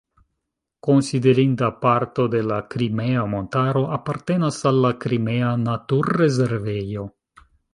Konsiderinda parto de la Krimea Montaro apartenas al la Krimea naturrezervejo.